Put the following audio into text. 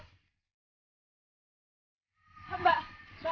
aku enggak kelihatan